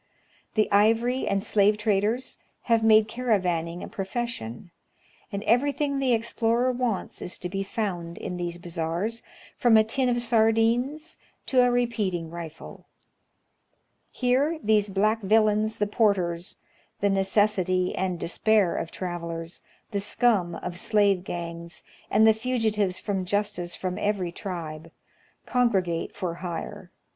The ivory and slave traders have made caravann ing a pi'ofession, and every thing the explorer wants is to be found in these bazaars, from a tin of sardines to a repeating rifle. Here these black villains the porters — the necessity and despair of travelers, the scum of slave gangs, and the fugitives from justice from every tribe — congregate for hire.